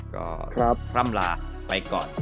ก็ข้ามลาไปก่อน